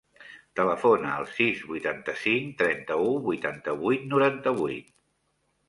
Telefona al sis, vuitanta-cinc, trenta-u, vuitanta-vuit, noranta-vuit.